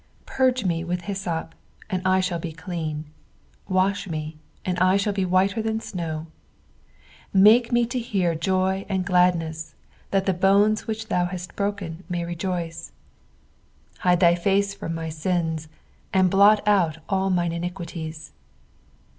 7 Purge me with hyssop, and I shall be clean : wash me, and I shall be whiter than snow. 8 Makt me to hear joy and gladness, iAat the bones which thou hast broken may rejoice. "b, Cockle 450 BxposrrtoNs or the psalms. 9 Hide thy face from my sins, and blot out all mine iniquities.